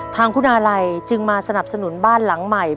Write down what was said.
ทางคุณอาลัยจึงมาสนับสนุนบ้านหลังใหม่